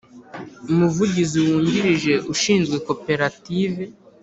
Umuvugizi wungirije ushinzwe koperative